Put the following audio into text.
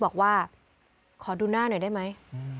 เพราะดูหน้าหน่อยได้ไหม